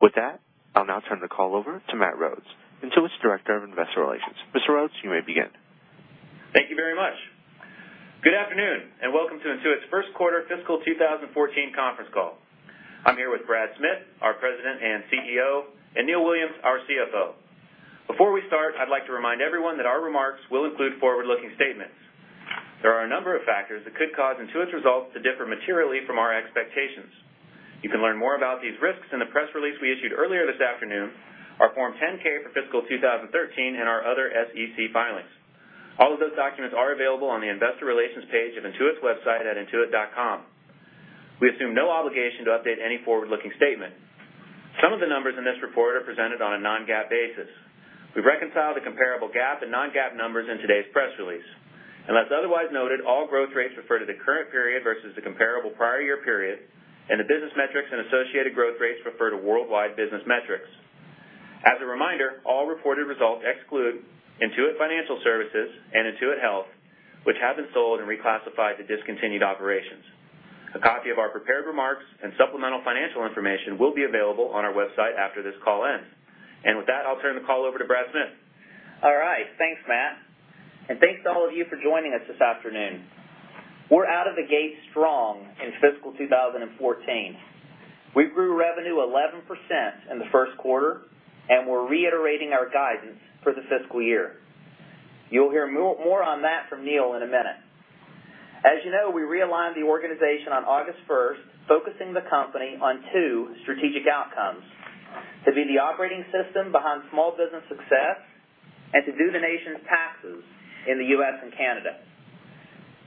With that, I'll now turn the call over to Matt Rhodes, Intuit's Director of Investor Relations. Mr. Rhodes, you may begin. Thank you very much. Good afternoon, and welcome to Intuit's first quarter fiscal 2014 conference call. I am here with Brad Smith, our President and CEO, and Neil Williams, our CFO. Before we start, I would like to remind everyone that our remarks will include forward-looking statements. There are a number of factors that could cause Intuit's results to differ materially from our expectations. You can learn more about these risks in the press release we issued earlier this afternoon, our Form 10-K for fiscal 2013, and our other SEC filings. All of those documents are available on the investor relations page of intuit.com. We assume no obligation to update any forward-looking statement. Some of the numbers in this report are presented on a non-GAAP basis. We have reconciled the comparable GAAP and non-GAAP numbers in today's press release. Unless otherwise noted, all growth rates refer to the current period versus the comparable prior year period, and the business metrics and associated growth rates refer to worldwide business metrics. As a reminder, all reported results exclude Intuit Financial Services and Intuit Health, which have been sold and reclassified to discontinued operations. A copy of our prepared remarks and supplemental financial information will be available on our website after this call ends. With that, I will turn the call over to Brad Smith. All right. Thanks, Matt. Thanks to all of you for joining us this afternoon. We are out of the gate strong in fiscal 2014. We grew revenue 11% in the first quarter, and we are reiterating our guidance for the fiscal year. You will hear more on that from Neil in a minute. As you know, we realigned the organization on August first, focusing the company on two strategic outcomes, to be the operating system behind small business success and to do the nation's taxes in the U.S. and Canada.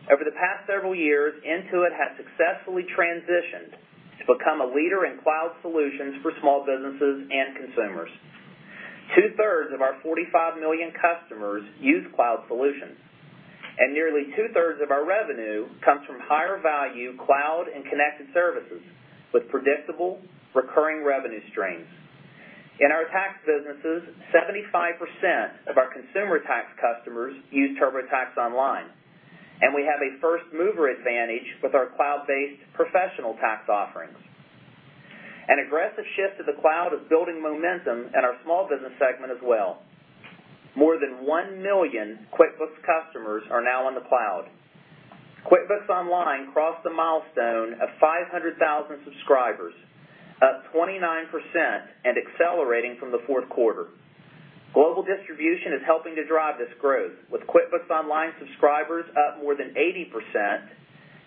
Over the past several years, Intuit has successfully transitioned to become a leader in cloud solutions for small businesses and consumers. Two-thirds of our 45 million customers use cloud solutions, and nearly two-thirds of our revenue comes from higher-value cloud and connected services with predictable recurring revenue streams. In our tax businesses, 75% of our consumer tax customers use TurboTax Online, and we have a first-mover advantage with our cloud-based professional tax offerings. An aggressive shift to the cloud is building momentum in our small business segment as well. More than 1 million QuickBooks customers are now on the cloud. QuickBooks Online crossed the milestone of 500,000 subscribers, up 29% and accelerating from the fourth quarter. Global distribution is helping to drive this growth, with QuickBooks Online subscribers up more than 80%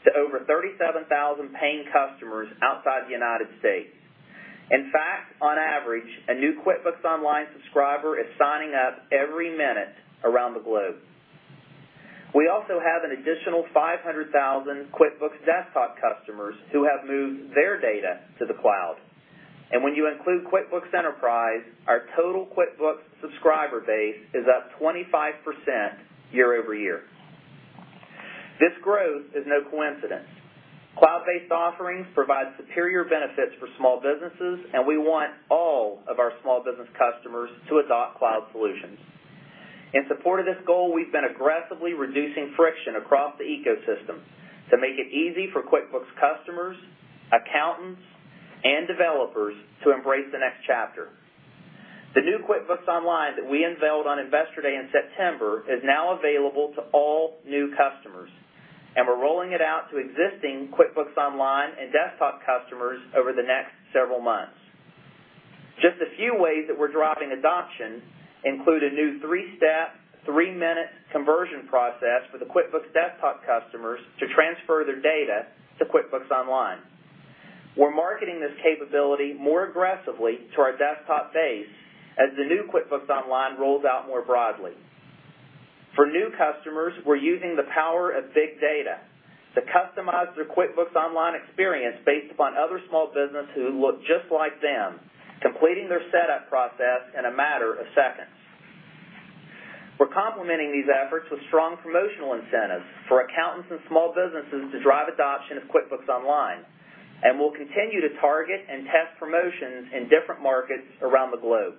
to over 37,000 paying customers outside the U.S. In fact, on average, a new QuickBooks Online subscriber is signing up every minute around the globe. We also have an additional 500,000 QuickBooks Desktop customers who have moved their data to the cloud. When you include QuickBooks Enterprise, our total QuickBooks subscriber base is up 25% year-over-year. This growth is no coincidence. Cloud-based offerings provide superior benefits for small businesses, and we want all of our small business customers to adopt cloud solutions. In support of this goal, we've been aggressively reducing friction across the ecosystem to make it easy for QuickBooks customers, accountants, and developers to embrace the next chapter. The new QuickBooks Online that we unveiled on Investor Day in September is now available to all new customers, and we're rolling it out to existing QuickBooks Online and Desktop customers over the next several months. Just a few ways that we're driving adoption include a new three-step, three-minute conversion process for the QuickBooks Desktop customers to transfer their data to QuickBooks Online. We're marketing this capability more aggressively to our Desktop base as the new QuickBooks Online rolls out more broadly. For new customers, we're using the power of big data to customize their QuickBooks Online experience based upon other small business who look just like them, completing their setup process in a matter of seconds. We're complementing these efforts with strong promotional incentives for accountants and small businesses to drive adoption of QuickBooks Online, and we'll continue to target and test promotions in different markets around the globe.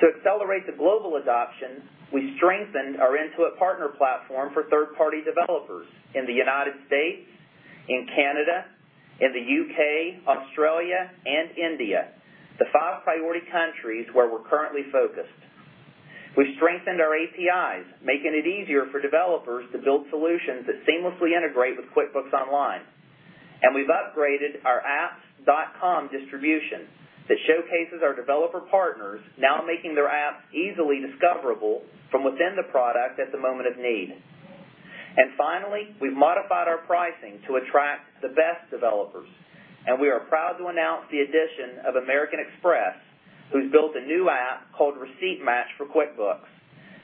To accelerate the global adoption, we strengthened our Intuit Partner Platform for third-party developers in the U.S., in Canada, in the U.K., Australia, and India, the five priority countries where we're currently focused. We've strengthened our APIs, making it easier for developers to build solutions that seamlessly integrate with QuickBooks Online. We've upgraded our apps.com distribution that showcases our developer partners now making their apps easily discoverable from within the product at the moment of need. Finally, we've modified our pricing to attract the best developers, and we are proud to announce the addition of American Express, who's built a new app called ReceiptMatch for QuickBooks.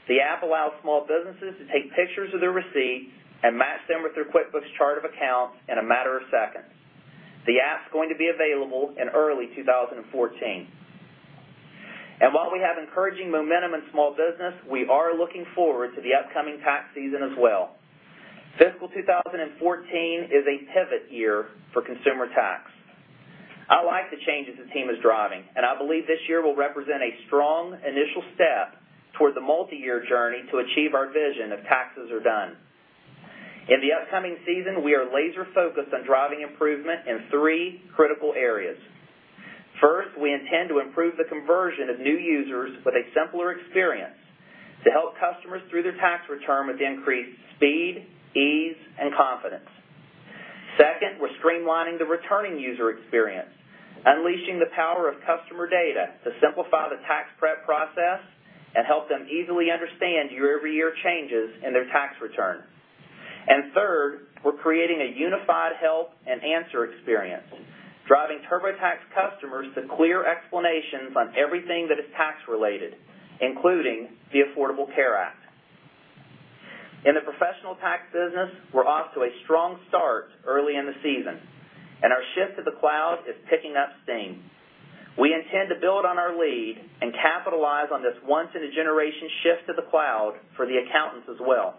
The app allows small businesses to take pictures of their receipts and match them with their QuickBooks chart of accounts in a matter of seconds. The app's going to be available in early 2014. While we have encouraging momentum in small business, we are looking forward to the upcoming tax season as well. Fiscal 2014 is a pivot year for consumer tax. I like the changes the team is driving, and I believe this year will represent a strong initial step toward the multi-year journey to achieve our vision of Taxes Are Done. In the upcoming season, we are laser-focused on driving improvement in three critical areas. First, we intend to improve the conversion of new users with a simpler experience to help customers through their tax return with increased speed, ease, and confidence. Second, we're streamlining the returning user experience, unleashing the power of customer data to simplify the tax prep process and help them easily understand year-over-year changes in their tax return. Third, we're creating a unified help and answer experience, driving TurboTax customers to clear explanations on everything that is tax-related, including the Affordable Care Act. In the professional tax business, we're off to a strong start early in the season, and our shift to the cloud is picking up steam. We intend to build on our lead and capitalize on this once-in-a-generation shift to the cloud for the accountants as well.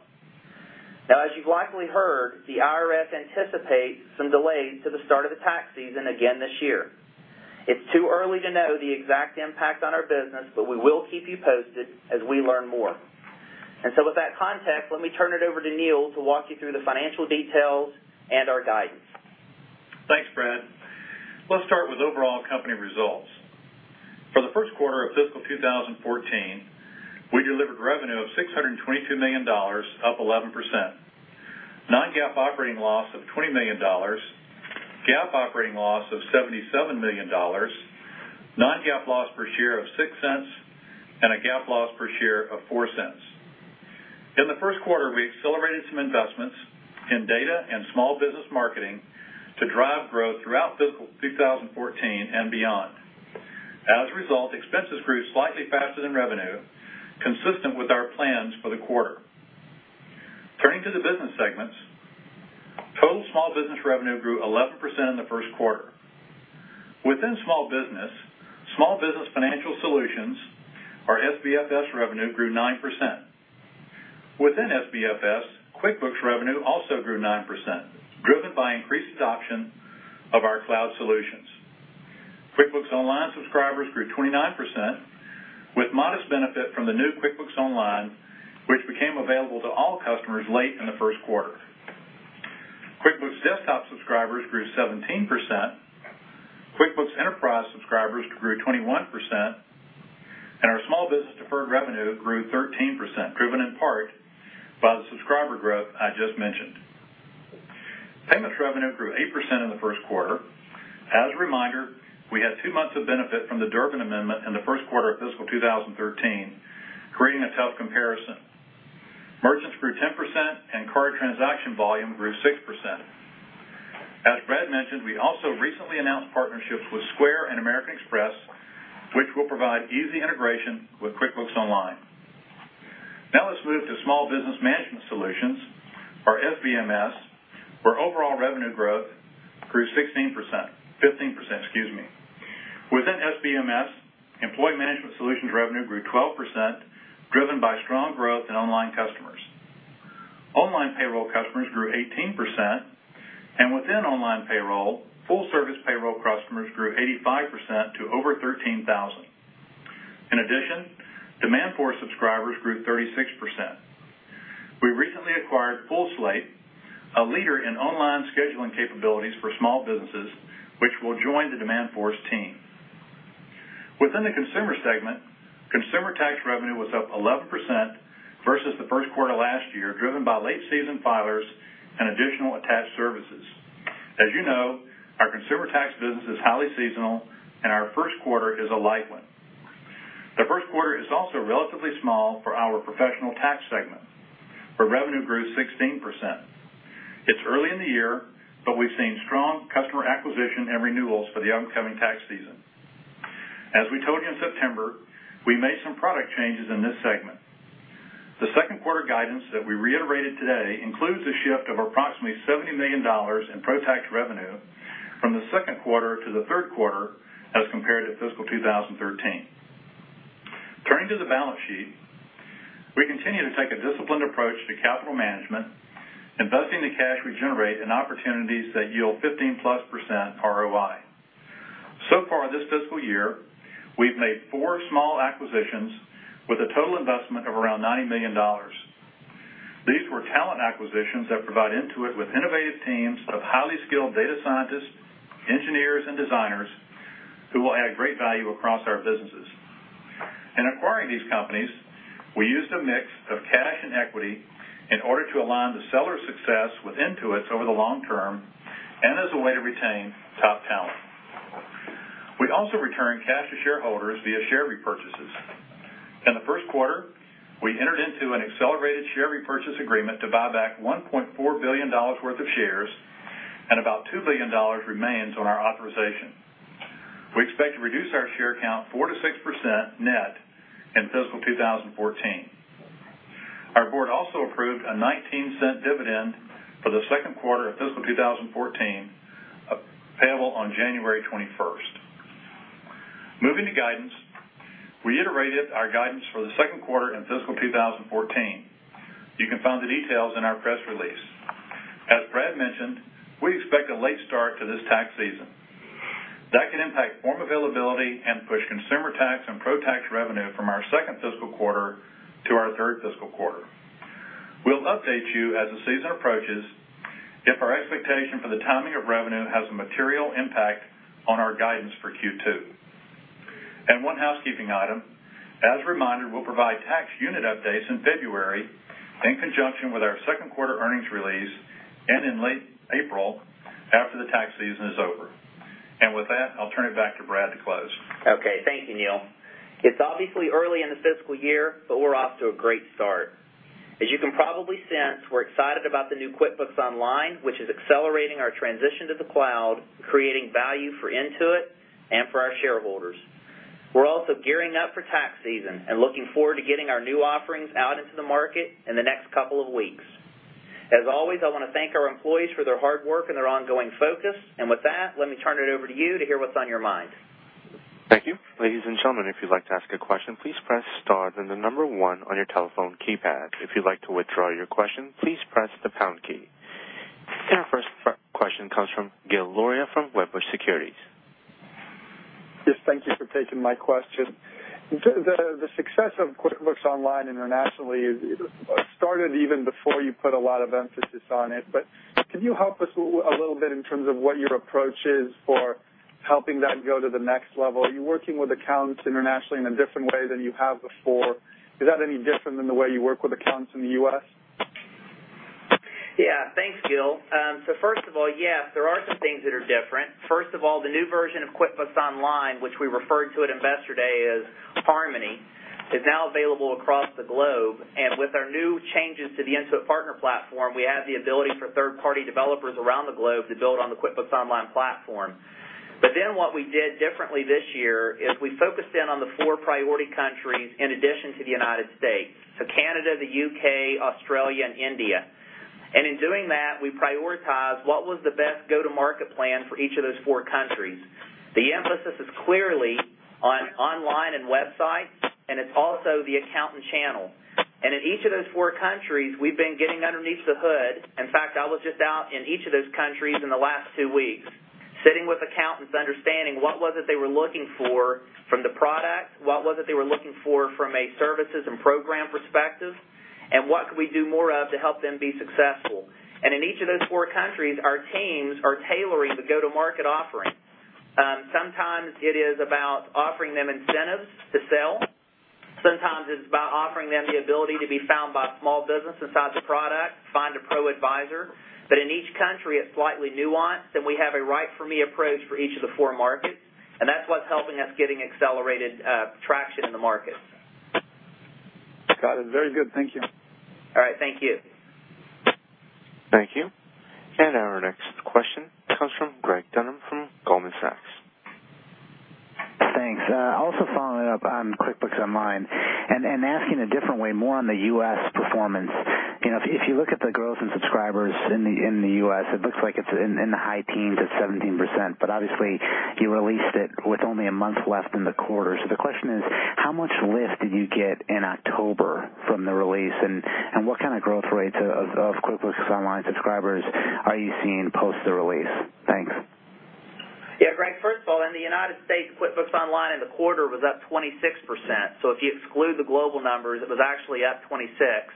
As you've likely heard, the IRS anticipates some delay to the start of the tax season again this year. It's too early to know the exact impact on our business, we will keep you posted as we learn more. With that context, let me turn it over to Neil to walk you through the financial details and our guidance. Thanks, Brad. Let's start with overall company results. For the first quarter of fiscal 2014, we delivered revenue of $622 million, up 11%, non-GAAP operating loss of $20 million, GAAP operating loss of $77 million, non-GAAP loss per share of $0.06, and a GAAP loss per share of $0.04. In the first quarter, we accelerated some investments in data and small business marketing to drive growth throughout fiscal 2014 and beyond. As a result, expenses grew slightly faster than revenue, consistent with our plans for the quarter. Turning to the business segments, total small business revenue grew 11% in the first quarter. Within small business, Small Business Financial Solutions, our SBFS revenue grew 9%. Within SBFS, QuickBooks revenue also grew 9%, driven by increased adoption of our cloud solutions. QuickBooks Online subscribers grew 29%, with modest benefit from the new QuickBooks Online, which became available to all customers late in the first quarter. QuickBooks Desktop subscribers grew 17%, QuickBooks Enterprise subscribers grew 21%, and our small business deferred revenue grew 13%, driven in part by the subscriber growth I just mentioned. Payments revenue grew 8% in the first quarter. As a reminder, we had two months of benefit from the Durbin Amendment in the first quarter of fiscal 2013, creating a tough comparison. Merchants grew 10%, and card transaction volume grew 6%. As Brad mentioned, we also recently announced partnerships with Square and American Express, which will provide easy integration with QuickBooks Online. Let's move to Small Business Management Solutions, or SBMS, where overall revenue growth grew 15%, excuse me. Within SBMS, employee management solutions revenue grew 12%, driven by strong growth in online customers. Online payroll customers grew 18%, and within online payroll, full service payroll customers grew 85% to over 13,000. In addition, Demandforce subscribers grew 36%. We recently acquired Full Slate, a leader in online scheduling capabilities for small businesses, which will join the Demandforce team. Within the consumer segment, consumer tax revenue was up 11% versus the first quarter last year, driven by late season filers and additional attached services. As you know, our consumer tax business is highly seasonal, and our first quarter is a light one. The first quarter is also relatively small for our professional tax segment, where revenue grew 16%. It's early in the year, but we've seen strong customer acquisition and renewals for the upcoming tax season. As we told you in September, we made some product changes in this segment. The second quarter guidance that we reiterated today includes a shift of approximately $70 million in ProTax revenue from the second quarter to the third quarter as compared to fiscal 2013. Turning to the balance sheet, we continue to take a disciplined approach to capital management, investing the cash we generate in opportunities that yield 15-plus percent ROI. So far this fiscal year, we've made four small acquisitions with a total investment of around $90 million. These were talent acquisitions that provide Intuit with innovative teams of highly skilled data scientists, engineers, and designers who will add great value across our businesses. In acquiring these companies, we used a mix of cash and equity in order to align the seller's success with Intuit over the long term and as a way to retain top talent. We also return cash to shareholders via share repurchases. In the first quarter, we entered into an accelerated share repurchase agreement to buy back $1.4 billion worth of shares, and about $2 billion remains on our authorization. We expect to reduce our share count 4%-6% net in fiscal 2014. Our board also approved a $0.19 dividend for the second quarter of fiscal 2014, payable on January 21st. Moving to guidance, we iterated our guidance for the second quarter in fiscal 2014. You can find the details in our press release. As Brad mentioned, we expect a late start to this tax season. That can impact form availability and push consumer tax and ProTax revenue from our second fiscal quarter to our third fiscal quarter. We'll update you as the season approaches, if our expectation for the timing of revenue has a material impact on our guidance for Q2. One housekeeping item, as a reminder, we'll provide tax unit updates in February in conjunction with our second quarter earnings release, and in late April after the tax season is over. With that, I'll turn it back to Brad to close. Okay. Thank you, Neil. It's obviously early in the fiscal year, but we're off to a great start. As you can probably sense, we're excited about the new QuickBooks Online, which is accelerating our transition to the cloud, creating value for Intuit and for our shareholders. We're also gearing up for tax season and looking forward to getting our new offerings out into the market in the next couple of weeks. As always, I want to thank our employees for their hard work and their ongoing focus. With that, let me turn it over to you to hear what's on your mind. Thank you. Ladies and gentlemen, if you'd like to ask a question, please press star, then the number 1 on your telephone keypad. If you'd like to withdraw your question, please press the pound key. Our first question comes from Gil Luria from Wedbush Securities. Yes, thank you for taking my question. The success of QuickBooks Online internationally started even before you put a lot of emphasis on it. Can you help us a little bit in terms of what your approach is for helping that go to the next level? Are you working with accountants internationally in a different way than you have before? Is that any different than the way you work with accountants in the U.S.? Yeah. Thanks, Gil. First of all, yes, there are some things that are different. First of all, the new version of QuickBooks Online, which we referred to at Investor Day as Harmony, is now available across the globe. With our new changes to the Intuit Partner Platform, we have the ability for third-party developers around the globe to build on the QuickBooks Online platform. What we did differently this year is we focused in on the 4 priority countries in addition to the United States, Canada, the U.K., Australia, and India. In doing that, we prioritized what was the best go-to-market plan for each of those 4 countries. The emphasis is clearly on online and websites, it's also the accountant channel. In each of those 4 countries, we've been getting underneath the hood. In fact, I was just out in each of those countries in the last two weeks, sitting with accountants, understanding what was it they were looking for from the product, what was it they were looking for from a services and program perspective, and what could we do more of to help them be successful. In each of those four countries, our teams are tailoring the go-to-market offering. Sometimes it is about offering them incentives to sell. Sometimes it's about offering them the ability to be found by small business inside the product, find a ProAdvisor. In each country, it's slightly nuanced, and we have a right for me approach for each of the four markets, and that's what's helping us getting accelerated traction in the market. Got it. Very good. Thank you. All right. Thank you. Thank you. Our next question comes from Greg Dunham from Goldman Sachs. Thanks. Also following up on QuickBooks Online and asking a different way more on the U.S. performance. If you look at the growth in subscribers in the U.S., it looks like it's in the high teens at 17%, but obviously you released it with only a month left in the quarter. The question is, how much lift did you get in October from the release, and what kind of growth rates of QuickBooks Online subscribers are you seeing post the release? Thanks. Yeah, Greg, first of all, in the United States, QuickBooks Online in the quarter was up 26%. If you exclude the global numbers, it was actually up 26%.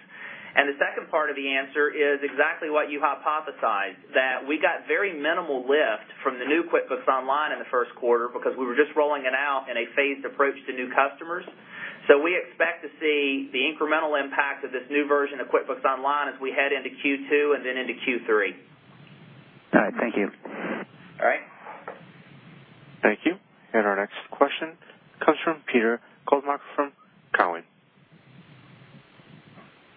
The second part of the answer is exactly what you hypothesized, that we got very minimal lift from the new QuickBooks Online in the first quarter because we were just rolling it out in a phased approach to new customers. We expect to see the incremental impact of this new version of QuickBooks Online as we head into Q2 and then into Q3. All right. Thank you. All right. Thank you. Our next question comes from Peter Goldmacher from Cowen.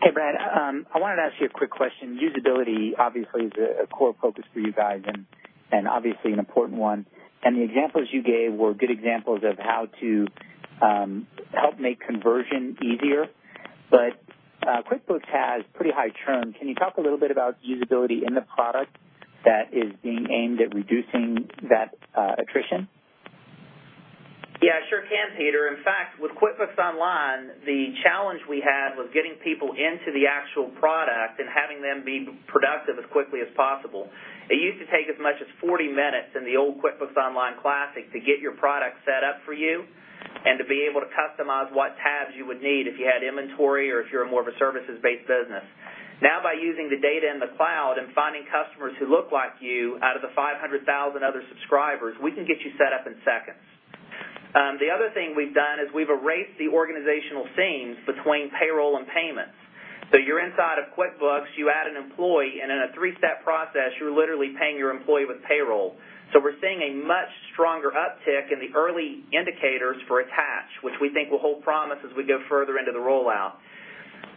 Hey, Brad. I wanted to ask you a quick question. Usability obviously is a core focus for you guys and obviously an important one, and the examples you gave were good examples of how to help make conversion easier. QuickBooks has pretty high churn. Can you talk a little bit about usability in the product that is being aimed at reducing that attrition? Yeah, sure can, Peter. In fact, with QuickBooks Online, the challenge we had was getting people into the actual product and having them be productive as quickly as possible. It used to take as much as 40 minutes in the old QuickBooks Online Classic to get your product set up for you and to be able to customize what tabs you would need if you had inventory or if you're more of a services-based business. Now, by using the data in the cloud and finding customers who look like you out of the 500,000 other subscribers, we can get you set up in seconds. The other thing we've done is we've erased the organizational seams between payroll and payments. You're inside of QuickBooks, you add an employee, and in a three-step process, you're literally paying your employee with payroll. We're seeing a much stronger uptick in the early indicators for attach, which we think will hold promise as we go further into the rollout.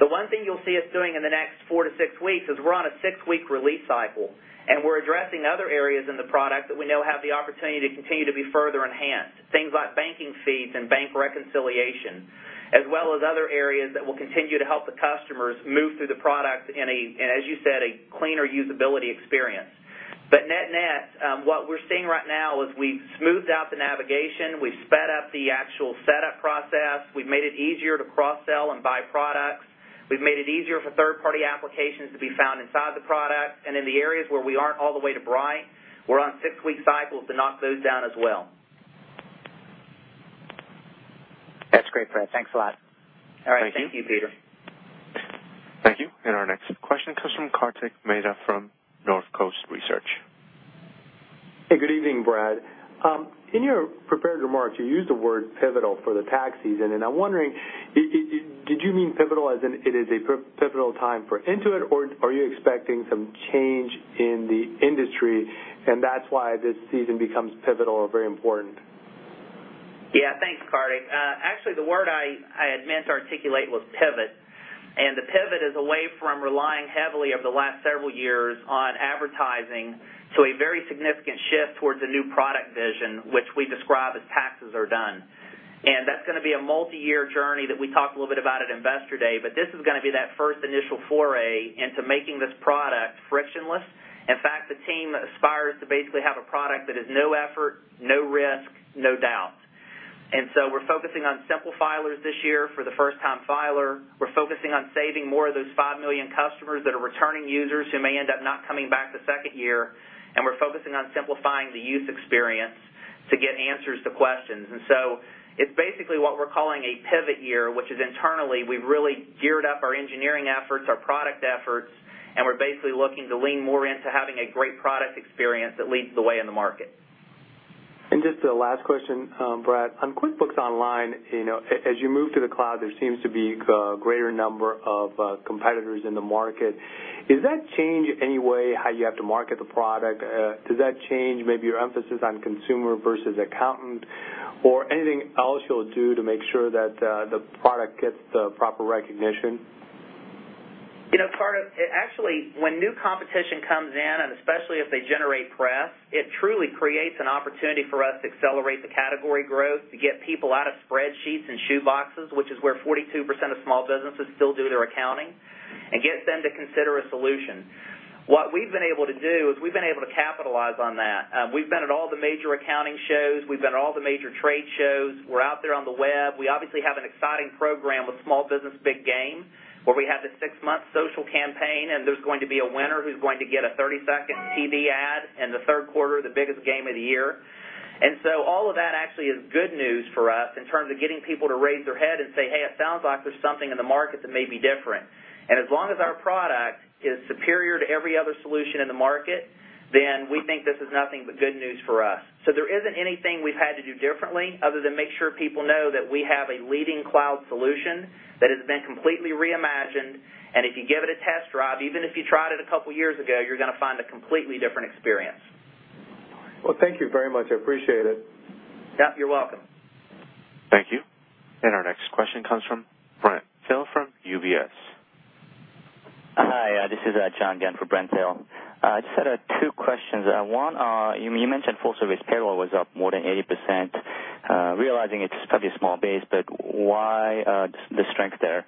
The one thing you'll see us doing in the next four to six weeks is we're on a six-week release cycle, and we're addressing other areas in the product that we know have the opportunity to continue to be further enhanced, things like banking feeds and bank reconciliation, as well as other areas that will continue to help the customers move through the product in a, as you said, a cleaner usability experience. Net net, what we're seeing right now is we've smoothed out the navigation, we've sped up the actual setup process, we've made it easier to cross-sell and buy products. We've made it easier for third-party applications to be found inside the product, and in the areas where we aren't all the way to bright, we're on six-week cycles to knock those down as well. That's great, Brad. Thanks a lot. Thank you. All right. Thank you, Peter. Thank you. Our next question comes from Kartik Mehta from Northcoast Research. Hey, good evening, Brad. In your prepared remarks, you used the word pivotal for the tax season. I'm wondering, did you mean pivotal as in it is a pivotal time for Intuit, or are you expecting some change in the industry, that's why this season becomes pivotal or very important? Yeah. Thanks, Kartik. Actually, the word I had meant to articulate was pivot. The pivot is away from relying heavily over the last several years on advertising, to a very significant shift towards a new product vision, which we describe as Taxes Are Done. That's going to be a multi-year journey that we talked a little bit about at Investor Day, this is going to be that first initial foray into making this product frictionless. In fact, the team aspires to basically have a product that is no effort, no risk, no doubt. We're focusing on simple filers this year for the first-time filer. We're focusing on saving more of those five million customers that are returning users who may end up not coming back the second year, we're focusing on simplifying the use experience to get answers to questions. It's basically what we're calling a pivot year, which is internally, we've really geared up our engineering efforts, our product efforts, we're basically looking to lean more into having a great product experience that leads the way in the market. Just a last question, Brad. On QuickBooks Online, as you move to the cloud, there seems to be a greater number of competitors in the market. Is that change, in any way, how you have to market the product? Does that change maybe your emphasis on consumer versus accountant or anything else you will do to make sure that the product gets the proper recognition? Kartik, actually, when new competition comes in, and especially if they generate press, it truly creates an opportunity for us to accelerate the category growth, to get people out of spreadsheets and shoe boxes, which is where 42% of small businesses still do their accounting, and get them to consider a solution. What we've been able to do is we've been able to capitalize on that. We've been at all the major accounting shows. We've been at all the major trade shows. We're out there on the web. We obviously have an exciting program with Small Business Big Game, where we have the 6-month social campaign, and there's going to be a winner who's going to get a 30-second TV ad in the third quarter, the biggest game of the year. All of that actually is good news for us in terms of getting people to raise their head and say, "Hey, it sounds like there's something in the market that may be different." As long as our product is superior to every other solution in the market, then we think this is nothing but good news for us. There isn't anything we've had to do differently other than make sure people know that we have a leading cloud solution that has been completely reimagined, and if you give it a test drive, even if you tried it a couple of years ago, you're going to find a completely different experience. Well, thank you very much. I appreciate it. Yeah, you're welcome. Thank you. Our next question comes from Brent Thill from UBS. Hi, this is John again for Brent Thill. I just had two questions. One, you mentioned full service payroll was up more than 80%. Realizing it's a pretty small base, but why the strength there?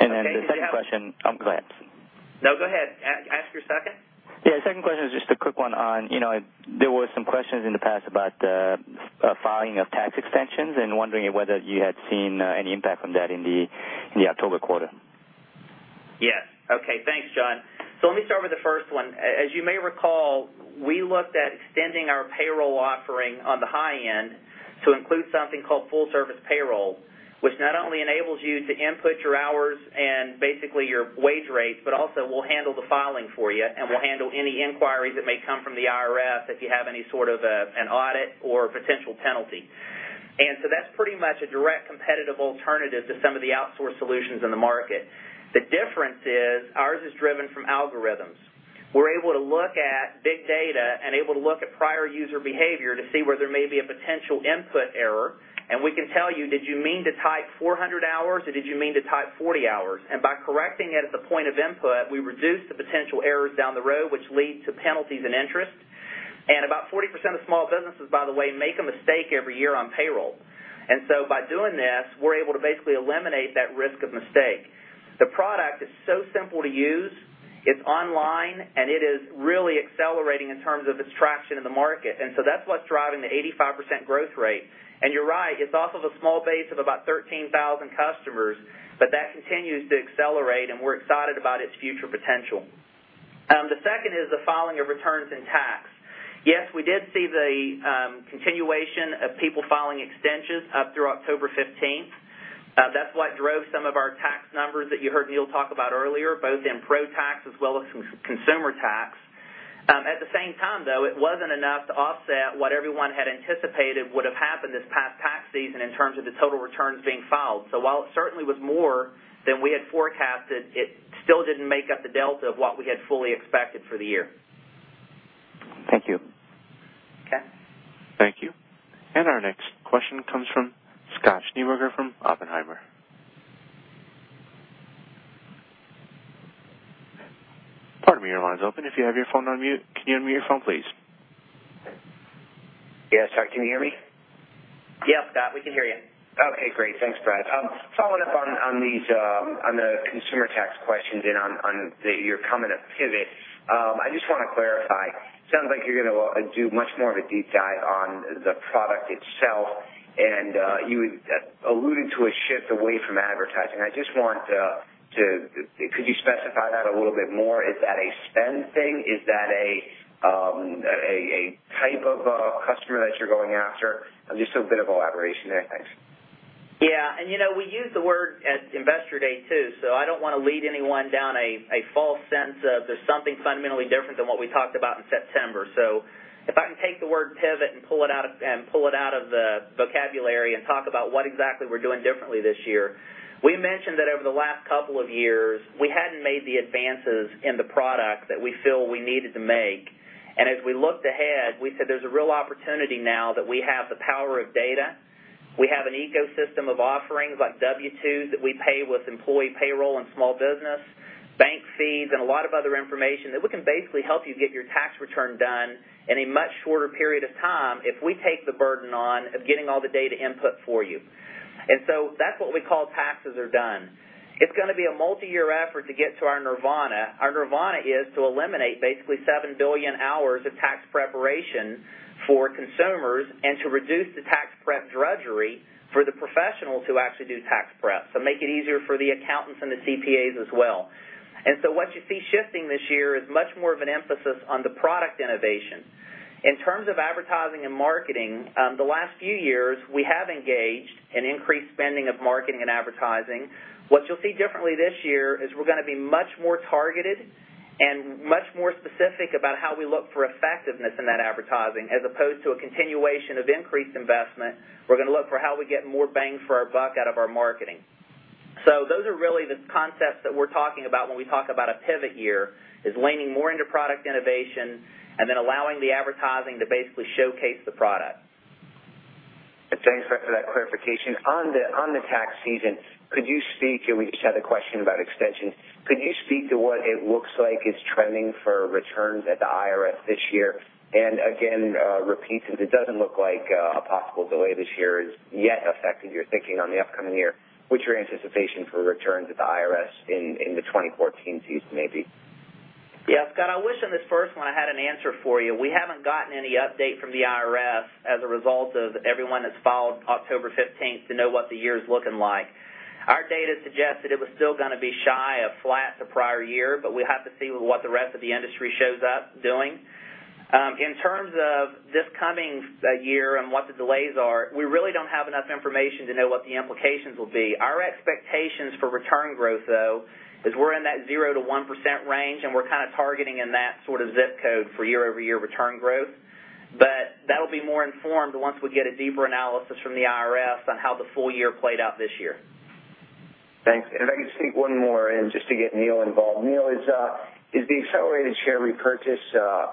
The second question Go ahead. No, go ahead. Ask your second. The second question is just a quick one on there were some questions in the past about the filing of tax extensions and wondering whether you had seen any impact from that in the October quarter. Yes. Okay. Thanks, John. Let me start with the first one. As you may recall, we looked at extending our payroll offering on the high end to include something called full service payroll, which not only enables you to input your hours and basically your wage rates, but also will handle the filing for you and will handle any inquiries that may come from the IRS if you have any sort of an audit or a potential penalty. That's pretty much a direct competitive alternative to some of the outsource solutions in the market. The difference is ours is driven from algorithms. We're able to look at big data and able to look at prior user behavior to see where there may be a potential input error, and we can tell you, did you mean to type 400 hours or did you mean to type 40 hours? By correcting it at the point of input, we reduce the potential errors down the road, which lead to penalties and interest. About 40% of small businesses, by the way, make a mistake every year on payroll. By doing this, we're able to basically eliminate that risk of mistake. The product is so simple to use, it's online, and it is really accelerating in terms of its traction in the market, and so that's what's driving the 85% growth rate. You're right, it's off of a small base of about 13,000 customers, but that continues to accelerate, and we're excited about its future potential. The second is the filing of returns in tax. Yes, we did see the continuation of people filing extensions up through October 15th. That's what drove some of our tax numbers that you heard Neil talk about earlier, both in ProTax as well as consumer tax. At the same time, though, it wasn't enough to offset what everyone had anticipated would have happened this past tax season in terms of the total returns being filed. While it certainly was more than we had forecasted, it still didn't make up the delta of what we had fully expected for the year. Thank you. Okay. Thank you. Our next question comes from Scott Schneeberger from Oppenheimer. Pardon me, your line is open if you have your phone on mute. Can you unmute your phone, please? Yes, sorry, can you hear me? Yes, Scott, we can hear you. Okay, great. Thanks, Brad. Following up on the consumer tax question, on your comment of pivot, I just want to clarify, sounds like you're going to do much more of a deep dive on the product itself, and you alluded to a shift away from advertising. Could you specify that a little bit more? Is that a spend thing? Is that a type of a customer that you're going after? Just a bit of elaboration there. Thanks. Yeah. We used the word at Investor Day, too, so I don't want to lead anyone down a false sense of there's something fundamentally different than what we talked about in September. If I can take the word pivot and pull it out of the vocabulary and talk about what exactly we're doing differently this year, we mentioned that over the last couple of years, we hadn't made the advances in the product that we feel we needed to make, and as we looked ahead, we said there's a real opportunity now that we have the power of data, we have an ecosystem of offerings like W-2s that we pay with employee payroll and small business, bank feeds, and a lot of other information that we can basically help you get your tax return done in a much shorter period of time if we take the burden on of getting all the data input for you. That's what we call Taxes Are Done. It's going to be a multi-year effort to get to our nirvana. Our nirvana is to eliminate basically seven billion hours of tax preparation for consumers and to reduce the tax prep drudgery for the professionals who actually do tax prep, so make it easier for the accountants and the CPAs as well. What you see shifting this year is much more of an emphasis on the product innovation. In terms of advertising and marketing, the last few years, we have engaged in increased spending of marketing and advertising. What you'll see differently this year is we're going to be much more targeted and much more specific about how we look for effectiveness in that advertising, as opposed to a continuation of increased investment. We're going to look for how we get more bang for our buck out of our marketing. Those are really the concepts that we're talking about when we talk about a pivot year, is leaning more into product innovation and then allowing the advertising to basically showcase the product. Thanks for that clarification. On the tax season, could you speak, and we just had a question about extensions, could you speak to what it looks like is trending for returns at the IRS this year? Again, repeat, since it doesn't look like a possible delay this year has yet affected your thinking on the upcoming year, what's your anticipation for returns at the IRS in the 2014 season may be? Yeah, Scott, I wish on this first one I had an answer for you. We haven't gotten any update from the IRS as a result of everyone that's followed October 15th to know what the year's looking like. Our data suggests that it was still going to be shy of flat to prior year, but we have to see what the rest of the industry shows up doing. In terms of this coming year and what the delays are, we really don't have enough information to know what the implications will be. Our expectations for return growth, though, is we're in that 0%-1% range, and we're kind of targeting in that sort of ZIP code for year-over-year return growth. That'll be more informed once we get a deeper analysis from the IRS on how the full year played out this year. Thanks. If I could sneak one more in just to get Neil involved. Neil, is the accelerated share repurchase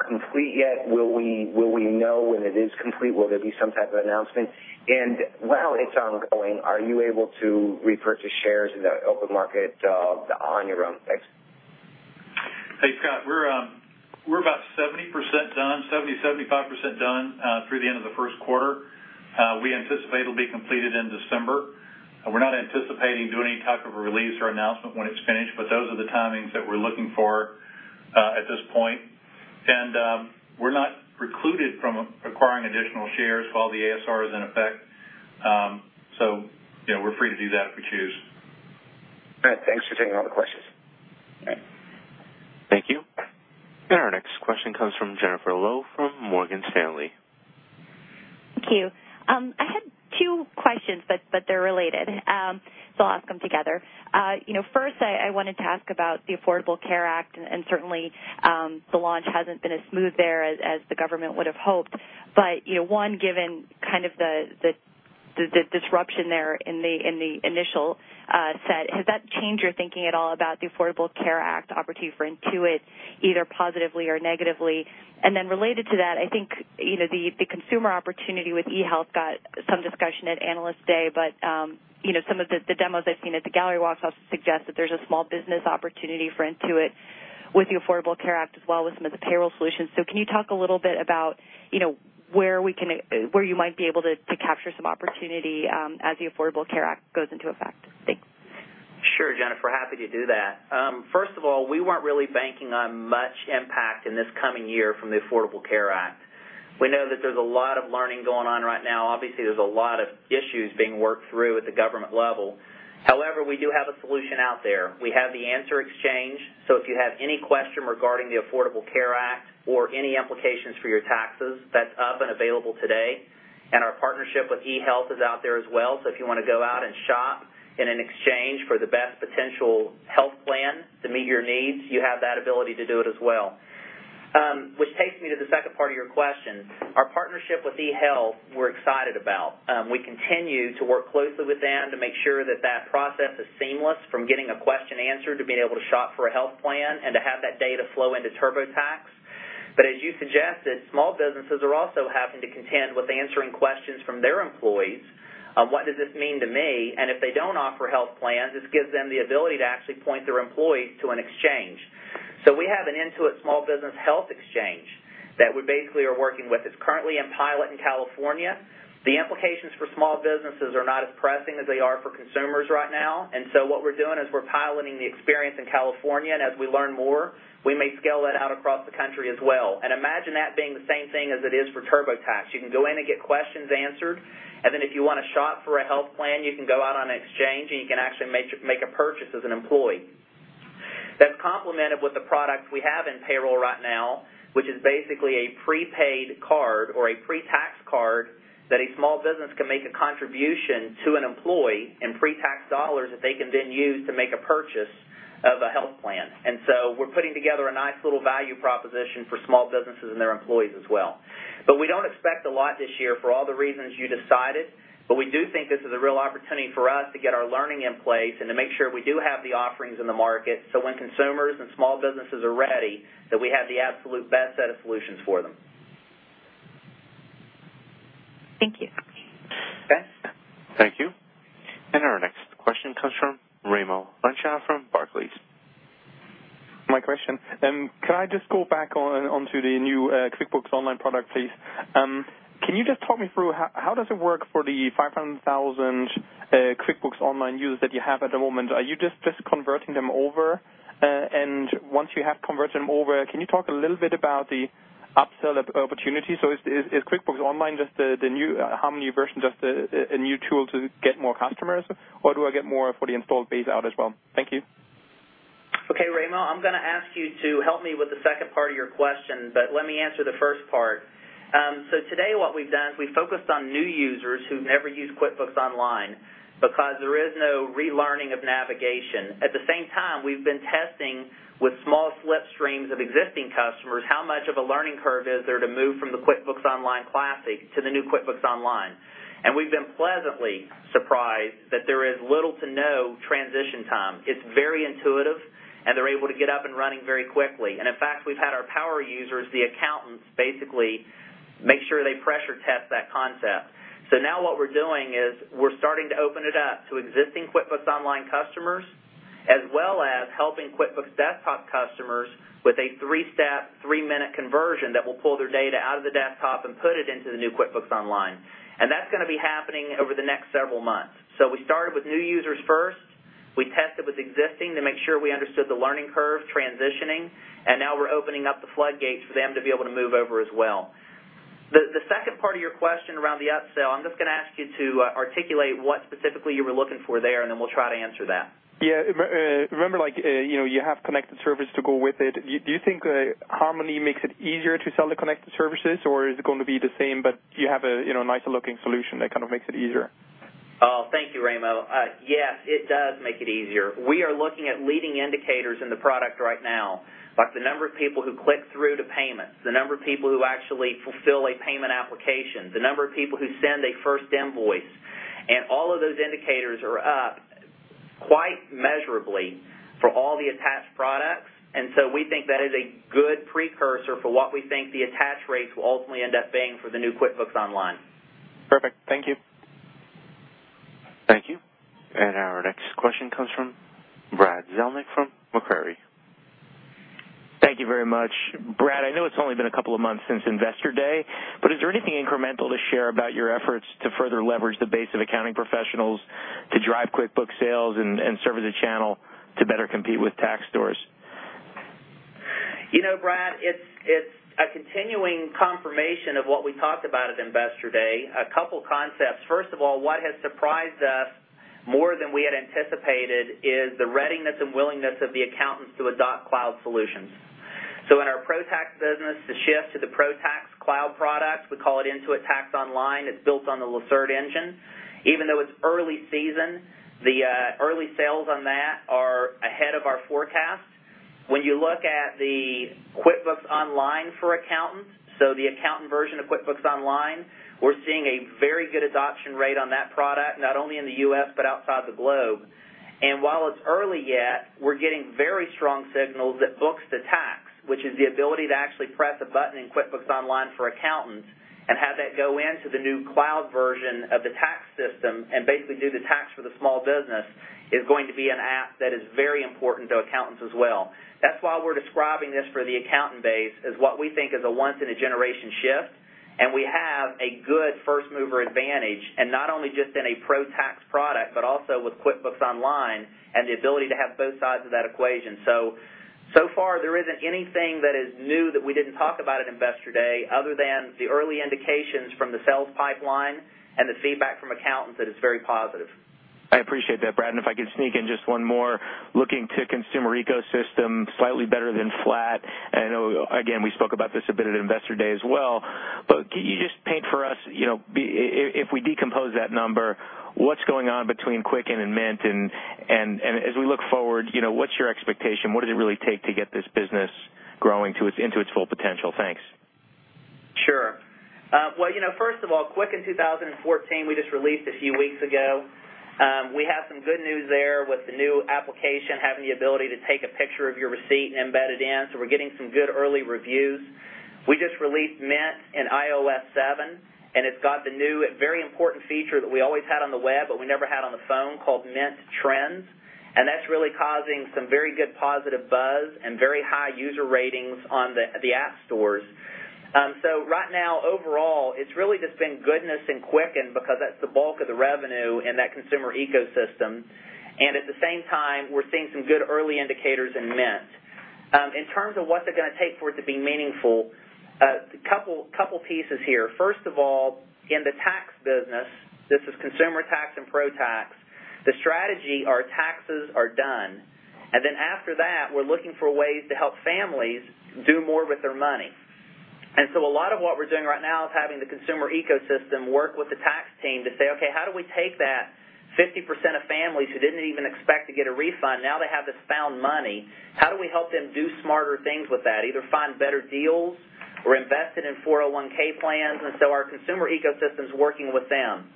complete yet? Will we know when it is complete? Will there be some type of announcement? While it's ongoing, are you able to repurchase shares in the open market on your own? Thanks. Hey, Scott. We're about 70% done, 70, 75% done through the end of the first quarter. We anticipate it'll be completed in December. We're not anticipating doing any type of a release or announcement when it's finished, but those are the timings that we're looking for at this point. We're not precluded from acquiring additional shares while the ASR is in effect, so we're free to do that if we choose. All right. Thanks for taking all the questions. Okay. Thank you. Our next question comes from Jennifer Lowe from Morgan Stanley. Thank you. I had two questions, but they're related, so I'll ask them together. First, I wanted to ask about the Affordable Care Act, and certainly, the launch hasn't been as smooth there as the government would've hoped. One, given the disruption there in the initial set, has that changed your thinking at all about the Affordable Care Act opportunity for Intuit, either positively or negatively? Related to that, I think, the consumer opportunity with eHealth got some discussion at Analyst Day, but some of the demos I've seen at the gallery walks also suggest that there's a small business opportunity for Intuit with the Affordable Care Act, as well as some of the payroll solutions. Can you talk a little bit about where you might be able to capture some opportunity as the Affordable Care Act goes into effect? Thanks. Sure, Jennifer, happy to do that. First of all, we weren't really banking on much impact in this coming year from the Affordable Care Act. We know that there's a lot of learning going on right now. Obviously, there's a lot of issues being worked through at the government level. However, we do have a solution out there. We have the Answer Exchange, so if you have any question regarding the Affordable Care Act or any implications for your taxes, that's up and available today. Our partnership with eHealth is out there as well, so if you want to go out and shop in an exchange for the best potential health plan to meet your needs, you have that ability to do it as well. Which takes me to the second part of your question. Our partnership with eHealth, we're excited about. We continue to work closely with them to make sure that that process is seamless from getting a question answered to being able to shop for a health plan and to have that data flow into TurboTax. As you suggested, small businesses are also having to contend with answering questions from their employees, "What does this mean to me?" If they don't offer health plans, this gives them the ability to actually point their employees to an exchange. We have an Intuit small business health exchange that we basically are working with. It's currently in pilot in California. The implications for small businesses are not as pressing as they are for consumers right now. What we're doing is we're piloting the experience in California, and as we learn more, we may scale that out across the country as well. Imagine that being the same thing as it is for TurboTax. You can go in and get questions answered. If you want to shop for a health plan, you can go out on an exchange, and you can actually make a purchase as an employee. That's complemented with the product we have in payroll right now, which is basically a prepaid card or a pre-tax card that a small business can make a contribution to an employee in pre-tax dollars that they can then use to make a purchase of a health plan. We're putting together a nice little value proposition for small businesses and their employees as well. We don't expect a lot this year for all the reasons you cited. We do think this is a real opportunity for us to get our learning in place and to make sure we do have the offerings in the market, so when consumers and small businesses are ready, that we have the absolute best set of solutions for them. Thank you. Beth? Thank you. Our next question comes from Raimo Lenschow from Barclays. My question, can I just go back onto the new QuickBooks Online product, please? Can you just talk me through how does it work for the 500,000 QuickBooks Online users that you have at the moment? Are you just converting them over? Once you have converted them over, can you talk a little bit about the upsell opportunity? Is QuickBooks Online just the new Harmony version, just a new tool to get more customers? Or do I get more for the installed base out as well? Thank you. Okay, Raimo, I'm going to ask you to help me with the second part of your question, but let me answer the first part. Today what we've done is we've focused on new users who've never used QuickBooks Online because there is no relearning of navigation. At the same time, we've been testing with small slipstreams of existing customers, how much of a learning curve is there to move from the QuickBooks Online Classic to the new QuickBooks Online. We've been pleasantly surprised that there is little to no transition time. It's very intuitive, and they're able to get up and running very quickly. In fact, we've had our power users, the accountants, basically make sure they pressure test that concept. Now what we're doing is we're starting to open it up to existing QuickBooks Online customers, as well as helping QuickBooks Desktop customers with a three-step, three-minute conversion that will pull their data out of the Desktop and put it into the new QuickBooks Online. That's going to be happening over the next several months. We started with new users first. We tested with existing to make sure we understood the learning curve transitioning, and now we're opening up the floodgates for them to be able to move over as well. The second part of your question around the upsell, I'm just going to ask you to articulate what specifically you were looking for there, and then we'll try to answer that. Yeah. Remember, you have connected service to go with it. Do you think Harmony makes it easier to sell the connected services, or is it going to be the same, but you have a nicer-looking solution that kind of makes it easier? Thank you, Raimo. Yes, it does make it easier. We are looking at leading indicators in the product right now, like the number of people who click through to payments, the number of people who actually fulfill a payment application, the number of people who send a first invoice. All of those indicators are up quite measurably for all the attached products. We think that is a good precursor for what we think the attach rates will ultimately end up being for the new QuickBooks Online. Perfect. Thank you. Thank you. Our next question comes from Brad Zelnick from Macquarie. Thank you very much. Brad, I know it's only been a couple of months since Investor Day, but is there anything incremental to share about your efforts to further leverage the base of accounting professionals to drive QuickBooks sales and serve as a channel to better compete with tax stores? You know, Brad, it's a continuing confirmation of what we talked about at Investor Day, a couple concepts. First of all, what has surprised us more than we had anticipated is the readiness and willingness of the accountants to adopt cloud solutions. In our ProTax business, the shift to the ProTax cloud product, we call it Intuit Tax Online. It's built on the Lacerte engine. Even though it's early season, the early sales on that are ahead of our forecast. When you look at the QuickBooks Online for accountants, so the accountant version of QuickBooks Online, we're seeing a very good adoption rate on that product, not only in the U.S. but outside the globe. While it's early yet, we're getting very strong signals that books to tax, which is the ability to actually press a button in QuickBooks Online for accountants and have that go into the new cloud version of the tax system and basically do the tax for the small business, is going to be an app that is very important to accountants as well. That's why we're describing this for the accountant base as what we think is a once-in-a-generation shift, and we have a good first-mover advantage, and not only just in a ProTax product, but also with QuickBooks Online and the ability to have both sides of that equation. So far there isn't anything that is new that we didn't talk about at Investor Day other than the early indications from the sales pipeline and the feedback from accountants that it's very positive. I appreciate that, Brad. If I could sneak in just one more, looking to consumer ecosystem, slightly better than flat. Again, we spoke about this a bit at Investor Day as well. Can you just paint for us, if we decompose that number, what's going on between Quicken and Mint, and as we look forward, what's your expectation? What does it really take to get this business growing into its full potential? Thanks. Sure. First of all, Quicken 2014, we just released a few weeks ago. We have some good news there with the new application, having the ability to take a picture of your receipt and embed it in. We're getting some good early reviews. We just released Mint in iOS 7, and it's got the new and very important feature that we always had on the web, but we never had on the phone, called Mint Trends. That's really causing some very good positive buzz and very high user ratings on the app stores. Right now, overall, it's really just been goodness in Quicken because that's the bulk of the revenue in that consumer ecosystem. At the same time, we're seeing some good early indicators in Mint. In terms of what they're going to take for it to be meaningful, couple pieces here. First of all, in the tax business, this is consumer tax and ProTax, the strategy, our Taxes Are Done. After that, we're looking for ways to help families do more with their money. A lot of what we're doing right now is having the consumer ecosystem work with the tax team to say, okay, how do we take that 50% of families who didn't even expect to get a refund, now they have this found money. How do we help them do smarter things with that? Either find better deals or invest it in 401 plans. Our consumer ecosystem's working with them.